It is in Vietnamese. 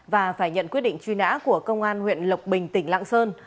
và phải nhận quyết định truy nã của công an huyện lộc bình tỉnh lạng sơn